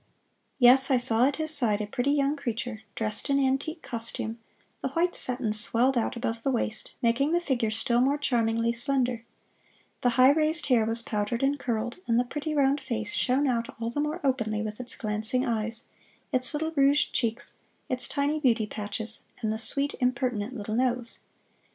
Yes, I saw at his side a pretty young creature, dressed in antique costume, the white satin swelled out above the waist, making the figure still more charmingly slender; the high raised hair was powdered and curled, and the pretty round face shone out all the more openly with its glancing eyes, its little rouged cheeks, its tiny beauty patches, and the sweet, impertinent little nose.